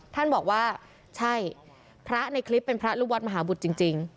ท่านบอกว่าใช่พระในคลิปเป็นพระลูกวัดมหาบุตรจริง